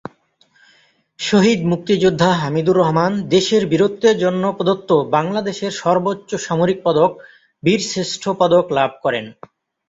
শহীদ মুক্তিযোদ্ধা হামিদুর রহমান দেশের বীরত্বের জন্য প্রদত্ত বাংলাদেশের সর্বোচ্চ সামরিক পদক, বীরশ্রেষ্ঠ পদক লাভ করেন।